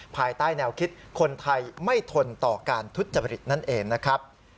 ภายใต้แนวคิดคนไทยไม่ทนต่อการทุจริตนั่นเองนะครับ